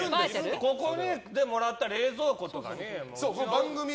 ここでもらった冷蔵庫とか。